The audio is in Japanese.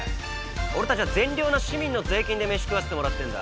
俺たちは善良な市民の税金でメシ食わせてもらってんだ。